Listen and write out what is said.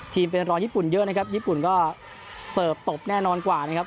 ทีมเป็นรอยญี่ปุ่นเยอะนะครับญี่ปุ่นก็ตบแน่นอนกว่านะครับ